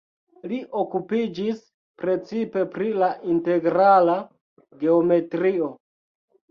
Li okupiĝis precipe pri la integrala geometrio.